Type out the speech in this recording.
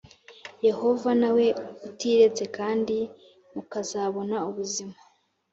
Yehova nawe utiretse kandi mukazabona ubuzima